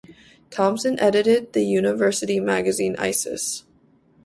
Thompson edited the university magazine, "Isis".